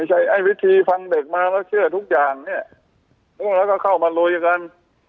ไอ้วิธีฟังเด็กมาแล้วเชื่อทุกอย่างเนี่ยพวกเราก็เข้ามาลุยกัน